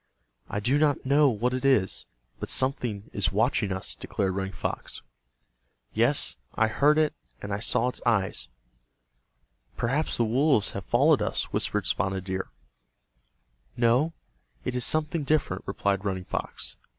"I do not know what it is, but something is watching us," declared Running Fox. "Yes, I heard it, and I saw its eyes." "Perhaps the wolves have followed us," whispered Spotted Deer. "No, it is something different," replied Running Fox.